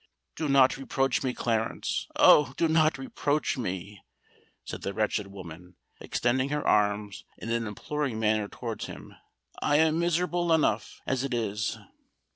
"Do not reproach me, Clarence—Oh! do not reproach me," said the wretched woman, extending her arms in an imploring manner towards him: "I am miserable enough as it is!"